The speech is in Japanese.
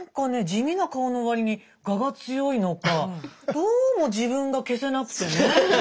地味な顔の割に我が強いのかどうも自分が消せなくてね。